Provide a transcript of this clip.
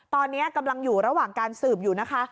ตอนนี้กำลังอยู่ระหว่างการสืบอยู่นะคะ